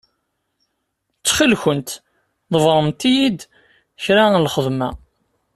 Ttxil-kent ḍebbṛemt-iyi-d kra n lxedma.